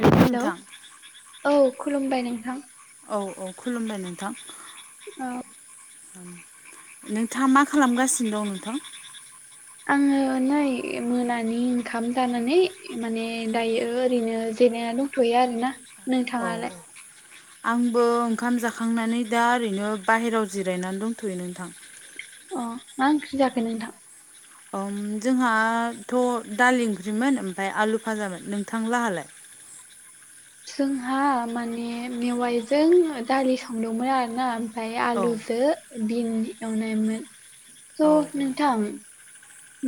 हेल' hello नोंथां औ खुलुमबाय नोंथां। औ औ खुलुमबाय नोंथां। औ। नोंथाङा मा खालामगासिनो दं नोंथां? आङो नै मोनानि ओंखाम जानानै माने दायो ओरैनो जेरायना दं। थ'यो आरो ना। औ औ। आंबो ओंखाम जाखांनानै दा ओरैनो बाहेरायाव जिरायनानै दंथ'यो नोंथां। अ मा ओंख्रि जाखोन नोंथां? अ जोंहाथ' दालि ओंख्रिमोन ओमफ्राय आलु फाजामोन नोंथां लाहालाय? जोंहा माने मेवाइजों दालि संदोंमोन आरोना। ओमफाय औ आलुजो बिन एवनायमोन औ स' नोंथां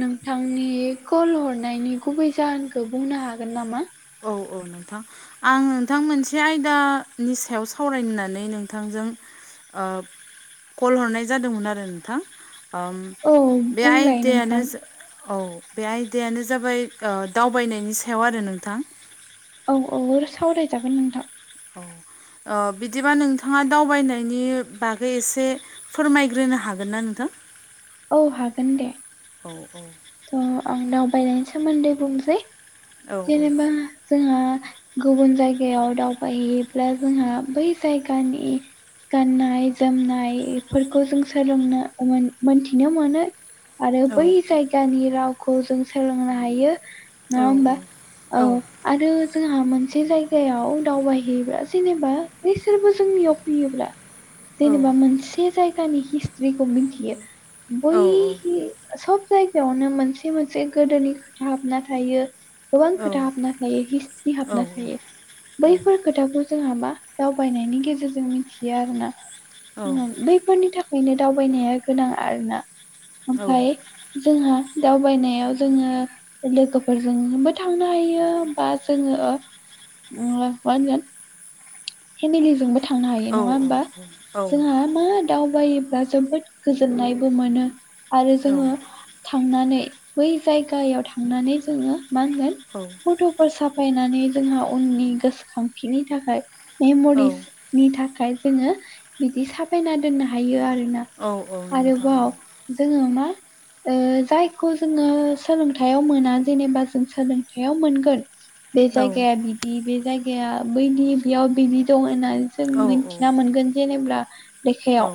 नोंथांनि कल हरनायनि गुबै जाहोनखौ बुंनो हागोन नामा? औ औ नोंथां। आं नोंथां मोनसे आयदानि सायाव सावरायनानै नोंथांजों ओ कल हरनाय जादोंमोन आरो नोंथां। ओम औ बे बुंलाय आयदायानो नोंथां औ बे आयदायानो जाबाय ओ दावबायनायनि सायाव आरो नोंथां। औ औ सावरायजागोन नोंथां। औ ओ बिदिबा नोंथाङा दावबायनायनि बागै एसे फोरमायग्रोनो हागोन ना नोंथां? औ हागोन दे। औ औ। थ' आं दावबायनायनि सोमोन्दै बुंसै औ जेनेबा जोंहा गुबुन जायगायाव दावबायहोयोब्ला जोंहा बै जायगानि गाननाय जोमनाय इफोरखौ जों सोलोंनो मोन मोनथिनो मोनो आरो बै औ जायगानि रावखौ जों सोलोंनो हायो। नङा औ होमबा औ आरो जोंहा मोनसे जायगायाव दावबायहैयोब्ला जेनेबा बैसोरबो जोंनियाव फैयोब्ला जेनेबा मोनसे जायगानि हिस्ट्रिखौ मिथियो बै सब जायगायावनो मोनसे मोनसे गोदोनि खोथा हाबना थायो। गोबां औ खोथा हाबना थायो हिस्ट्रि हाबना थायो। बैफोर खोथाखौ जोंहा मा दावबायनायनि गेजेरजों मिथियो आरोना। उम बैफोरनि थाखायनो दावबायनाया गोनां आरोना ओमफाय जोंहा दावबायनायाव जोङो लोगोफोरजोंबो थांनो हायो बा जोङो ओ मा होनगोन? फेमिलिजोंबो थांनो हायो नङा होमबा जोंहा मा? दावबायोब्ला जोबोद गोजोननायबो मोनो आरो जोङो थांनानै बै जायगायाव थांनानै जोङो मा होनगोन? औ। फट'फोर साफायनानै जोंहा उननि गोसोखांथिनि थाखाय मेम'रिस नि थाखाय जोङो बिदि साफायना दोननो हायो आरोना औ नोंथां आरोबाव जोङो मा ओ जायखौ जोङो सोलोंथायाव मोना जेनेबा जों सोलोंथायाव मोनगोन बे औ जायगाया बिदि बे जायगाया बैनि बेयाव बिनि दं होननानै जों औ औ मिथिना मोनगोन जेनेब्ला औ लेखायाव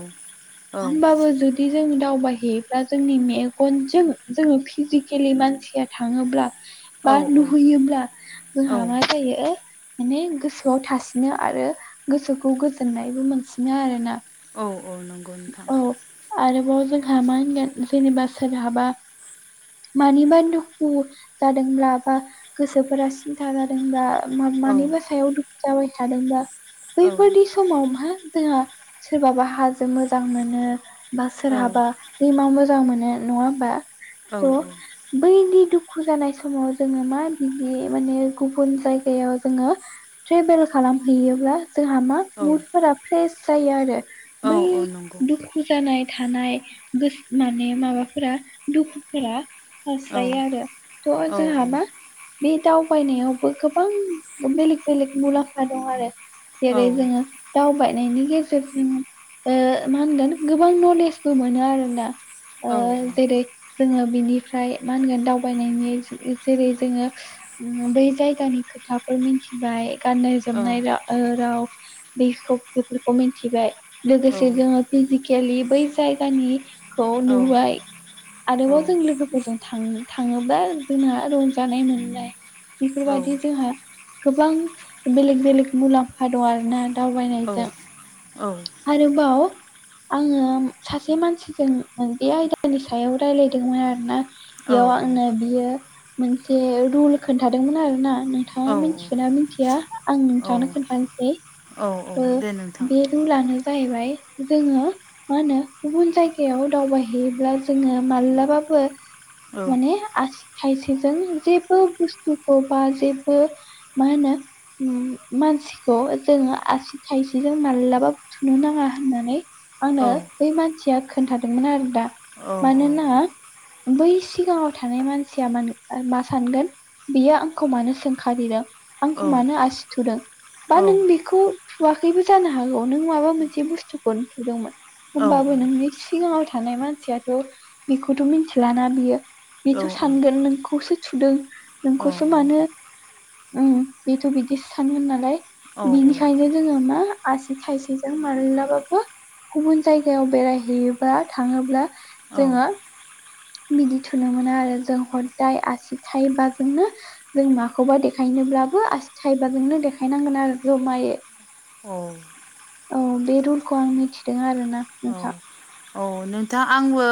औ होमबाबो जुद दि जों दावबायहैयोब्ला जोंनि मेगनजों जोङो फिजिकेलि मानसिया थाङोब्ला औ बा औ नुहैयोब्ला औ जोंहा मा जायो माने गोसोआव थास बिदिनो आरो गोसोखौ गोजोननायबो मोनसिनो आरो ना। औ औ नंगौ नोंथां। औ आरोबाव जोंहा मा होनगोन जेनेबा सोरहाबा मानिबा दुखु जादोंब्ला बा गोसोफोरा सिन्था जादोंबा औ मा-मानिबा सायाव दुखु जाबाय थादोंबा औ बैफोरदिस समावहा जोंहा सोरबाबा हाजो मोजां मोनो बा औ सोरहाबा दैमा मोजां मोनो नङा होमबा औ थ' बैदि दुखु जानाय समाव जोङो माबायदि माने गुबुन जायगायाव जोङो ट्रेभेल खालामहैयोब्ला जोंहा मा? औ मुदफोरा फ्रेस जायो आरो औ बै औ नंगौ दु खु जानाय थानाय गोस माने माबाफोरा दुखुफोरा औ खास्रायो आरो थ' औ जोंहा मा? बे दावबायनायावबो गोबां बेलेग बेलेग मुलाम्फा दं आरो औ जेरै जोङो दावबायनायनि गेजेरजों ओ मा होनगोन गोबां नलेजबो मोनो आरोना। ओ औ जेरै जोङो बिनिफ्राय मा होनगोन दावबायनायनि ओ जेरै जोङो उम बै जायगानि खोथाफोर मिथिबाय गाननाय जोमनाय रा ओ राव बेखौ बेफोरखौ मिथिबाय लोगोसे जोङो फिजिकेलि बै जायगानि खौ औ नुबाय। आरोबाव जों औ लोगोफोरजों थां थाङोबा जोंहा रंजानाय मोननाय बेफोरबादि जोंहा गोबां बेलेग बेलेग मुलाम्फा दं आरोना औ दावबायनायजों। औ आरोबाव आङो सासे मानसिजों ओं बे आयदानि सायाव रायज्लायदोंमोन आरोना। बेयाव आंनो बियो मोनसे रुल खिनथादोंमोन आरो ना? नोंथाङा मिथिगौना मिथिया आं नोंथांनो खोन्थानोसै औ दे नोंथां बे लानो जाहैबाय जोङो मा होनो गुबुन जायगायाव दावबायहैयोब्ला जोङो मालाबाबो औ माने आसि थायसेजों जेबो बुस्थुखौ बा जेबो मा होनो मानसिखौ जोङो आसि थायसेजों मालाबा थुनो नाङा होननानै औ आंनो बै मानसिया खोन्थादोंमोन आरो दा। औ मानोना बै सिगाङाव थानाय मानसिया मानो मा सानगोन बियो आंखौ मानो सोंखारिदों औ आंखौ मानो आसि थुदों बा नों औ बेखौ नखौ थुआखैबो जानो हागौ नों माबा मोनसे बुस्थुखौ थुदोंमोन। होमबाबो नोंनि सिगाङाव थानाय मानसियाथ' बेखौथ' मिथिलाना बियो बेथ' सानगोन नोंखौसो थुदों नोंखौसो मानो उम बेथ' बिदि सानगोन नालाय बिनिखायनो जोङो मा आसि थाइसेजों मालाबाबो गुबुन जायगायाव बेरायहैयोब्ला थाङोब्ला औ जोङो बिदि थुनो मोनो आरो जों हदाय आसि थाइबाजोंनो जों माखौबा देखायनोब्लाबो आसि थाइबाजोंनो देखायनांगोन आरो जमाय औ औ बे रुलखौ आं मिथिदों आरोना नोंथां। अ नोंथां आंबो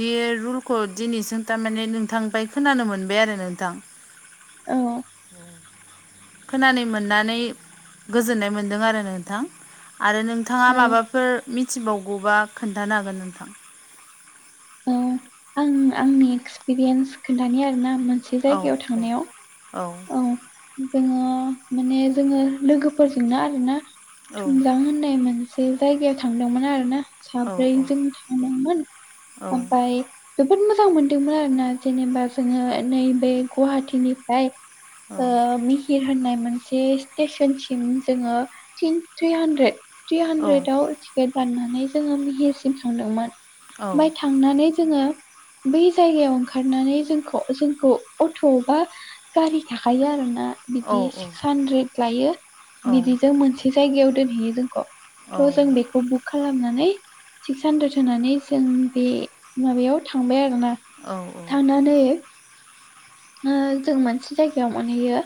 बे रुलखौ दिनैसिम थारमाने नोंथांनिफ्राय खोनानो मोनबाय आरो नोंथां। औ खोनानो मोननानै गोजोननाय मोनदों आरो नोंथां आरो नोंथाङा औ माबा फोर मिथिबावगौबा खोन्थानो हागोन नोंथां? औ आं आंनि एक्सपिरियेन्स खोनथानि आरोना मोनसे औ जायगायाव औ थांनायाव औ। औ जोङो माने जोङो लोगोफोरजोंना आरोना औ थुमजां होननाय मोनसे जायगायाव थांदोंमोन आरो ना औ साब्रै जों थांदोंमोन ओमफ्राय जोबोद मोजां मोनदोंमोन आरोना जेनेबा जोङो नैबे गुवाहाटिनिफ्राय मिहिर होननाय मोनसे स्टेसनसिम जोङो थनि थ्रि हान्द्रेड थ्रि औ हान्द्रेदाव टिकेट दाननानै जोङो मिहिरसिम थांदोंमोन ओफ्राय थांनानै जोङो बै जायगायाव ओंखारनानै जोंखौ जोंखौ अट' बा गारि थाखायो आरो ना इदि औ औ सिक्स हान्द्रेद लायो बिदिजों मोनसे जायगायाव दोनहैयो जोंखौ थ' जों बेखौ बु बुक खालामनानै सिक्स हानद्रेद होनानै जों बे माबायाव थांबाय आरोना औ औ थांनानै ओ जों मोनसे जायगायाव मोनहैयो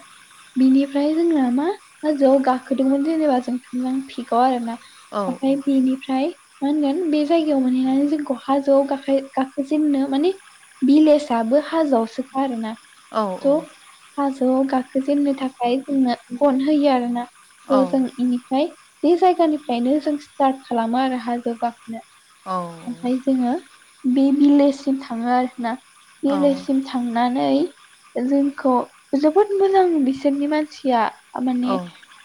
बिनिफ्राय जोंना मा हाजोआव गाखोदोंमोन जेनोबा जों थलां पिकाव आरोना आमफ्राय बिनिफ्राय मा होनगोन बे जायगायाव मोनहैनानै जोंखौ हाजोआव गाखाइ गाखोजनो मानि भिलेजआबो हाजोआवसोखा आरोना थ' हाजोआव गाखोजेेननो थाखाय जोंनो ग'न होयो आरो ना स' जों इनिफ्राय बे जायगानिफ्रायनो जों स्टार्ट खालामो आरो हाजोआव गाखोनो औ आमफ्राय जोङो बे भिलेजसिम थाङो आरोना भिलेजसिम थांनानै जोंखौ जोबोद मोजां बिसोरनि मानसिआ माने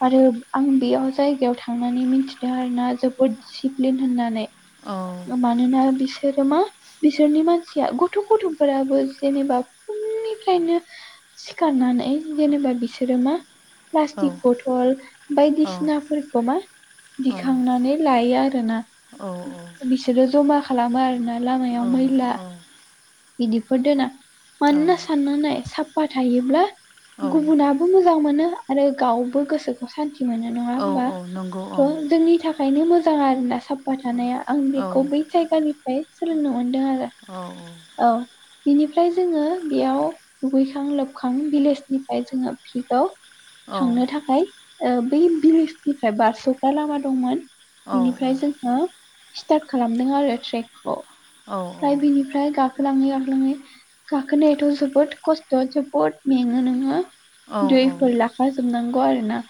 आरो आं बेआव जायगायाव थांनानै मिथिदो आरो ना जोबोद सिप्लिट होननानै मानोना बिसोरो मा बिसोरनि मानसिआ गथ' गथ'फोराबो जेनोबा फुंनिफायनो सिखारनानै जेनोबा बिसोरो मा औ प्लास्टिक ब'थल औ बायदिसिनाफोरखौ मा औ औ दिखांनानै लायो आरोना औ बिसोरो जमा खालामो आरोना लामायाव मैला इदिफोरना मानो ना साननानै साफा थायोब्ला औ गुबुनाबो मोजां मोनो आरो गावबो गोसोखौ सानथि मोनो नङा औ होमबा औ नंगौ औ थ' जोंनि थाखायनो मोजां आरोना साब साफा थानाया आं औ बेखौ बै जायगानिफ्राय सोलोंनो मोनदों आरो ओ औ औ इनिफ्राय जोङो बेआव दुगैखां लोबखां भिलेजनिफ्राय जोङो पिकाव औ थांनो थाखाय ओ बै भिलेजनिफ्राय बारस'ग्रा लामा दंमोन औ इनिफ्राय जोङो स्टार्ट खालामदों आरो ट्रेकखौ औ औ औ बिनि बिनिफ्राय आमफ्राय गाखोलाङै गाखोलाङै गाखोनायाथ' जोबोद खस्थ' जोबोद मेङो नोङो औ दैफोर लाखा जोबनांगौ आरोना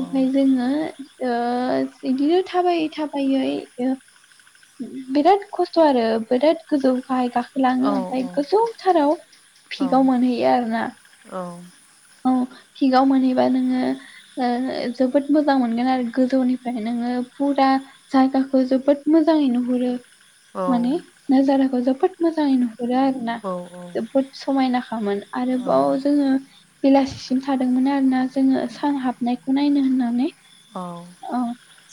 आमफफ्राय जोङो ओ इदिनो थाबायै थाबायै बिराद खस्थ' आरो बिराद गोजौ गाहाय औ गाखोलाङो आमफ्राय गोजौथाराव पिकाव मोनहैयो आरो ना औ औ पिकाव मोनहैबा नोङो ओ जोबोद मोजां मोनगोन आरो गोजौनिफ्राय नोङो फुरा जायगाखौ जोबोद मोजाङै नुहोरो माने नाजाराखौ जोबोद मोजाङै नुहुरो आरो ना बुहुद समायनाखामोन आरोबाव जोङो बेलासिसिम थादोंमोन आरो ना जोङो सान हाबनायखौ नायनो होननानै औ औ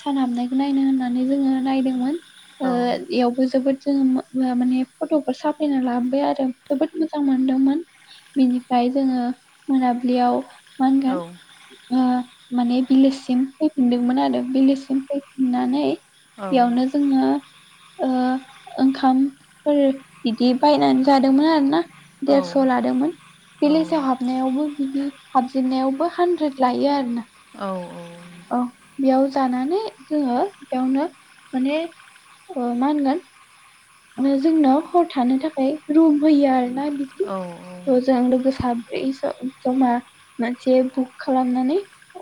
सान हाबनायखौ नायनो होननानै जोङो नायदोंमोन ओ इआवबो जोबोद जोङो ओ माने फट'फोर साफायना लाबोबाय आरो जोबोद मोजां मोनदोंमोन बेनिफाय जोङो मोनाब्लिआव मा होनगोन ओ माने बिलोससिम फैफिनदोंमोन आरो बिलोससिम फैफिननानै बेआवनो जोङो ओ ओंखाम फोर बिदि बायनानै जादोंमोन आरो ना। देरस' लादोंमोन। भिलेजाव हाबनायावबो बिदि हाबजेननायावबो हान्द्रेद लायो आरो ना। औ औ औ बेयाव जानानै जोङो बेयावनो माने ओ मा होनगोन जोंनाव हर थानो थाखाय रुम होयो आरो ना बिदि थ जों साब्रै ज'-जमा मोनसे बुक खालामनानै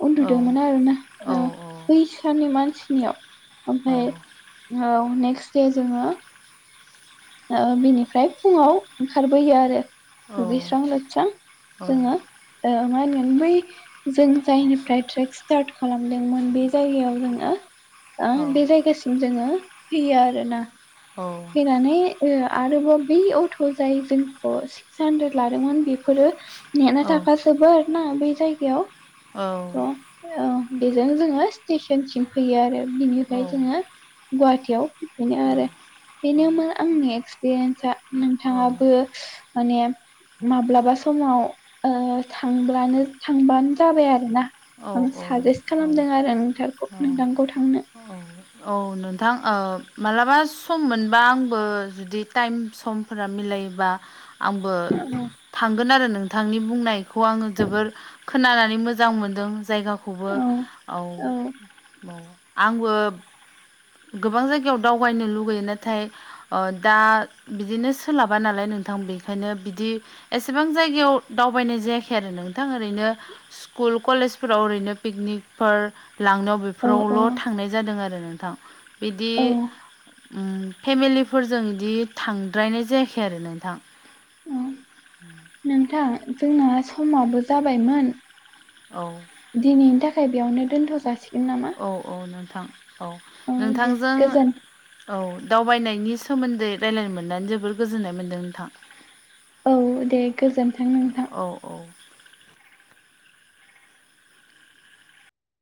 उन्दुदोंमोन आरोना बैसानि मानसिनियाव ओमफाय औ नेक्स्ट दे जोङो ओ बिनिफ्राय फुङाव ओंखारबोयो आरो दुगैस्रां लोबस्रां जोङो मा ओ होनगोन बै जों जायनिफ्राय ट्रेक स्टार्ट खालामदोंमोन बे जायगायाव जोङो ओ बे जायगासिम जोङो फैयो आरो ना। फैनानै ओ आरोबाव बै अट' जाय जोंखौ सिक्स हानद्रेद लादोंमोन बेफोरो नेना थाखााजोबो आरो ना बै जायगायाव स' ओ बेजों जोङो स्टेसनसिम फैयो आरो बिनिफ्राय जोङो औ गुवाहाटियाव बेनो औ औ आरो बेनोमोन आंनि एक्सपिरियेन्सा औ नोंथाङाबो माने माब्लाबा समाव ओ थांब्लानो थांबानो जाबाय आरोना। आं साजेस्ट औ खालामदों आरो नोंथखौ औ नोंथांखौ थांनो। औ औ नोंथां मालाबा सम मोनबा आंबो जुदि टाइम समफोरा मिलायोबा आबो थांगोन आरो नोंथांनि बुंनायखौ आङो जोबोर खोनानानै मोजां मोनदों जायगा खौबो औ औ आंबो गोबां जायगायाव दावबायनो लुगैयो नाथाय ओ दा बिदिनो सोलाबा नालाय नोंथां बेखायनो बिदि एसेबां जायगायाव दावबायनाय जायाखै आरो नोंथां ओरैनो स्कुल कलेजफोराव ओरैनो पिकनिकफोर लांनायाव औ औ बेफोरावल' थांनाय जादों आरो नोंथां बिदि औ ओम फेमिलिफोरजों बिदि थांद्रायनाय जायाखै आरो नोंथां। औ नोंथां जोंना समाबो जाबायमोन औ दिनैनि थाखाय बेयावनो दोनथ' जासिगोन नामा? औ औ नोंथां औ दे नोंथांजों गोजोन औ दावबायनायनि सोमोन्दै रायज्लायनो मोननानै जोबोर गोजोननाय मोन्दों नोंथां। औ दे गोजोन्थों नोंथां। औ औ